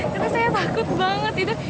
karena saya takut banget itu